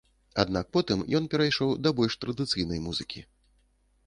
Аднак потым ён перайшоў да больш традыцыйнай музыкі.